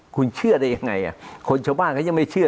คุณเชื่อได้ยังไงคนชาวบ้านเขายังไม่เชื่อ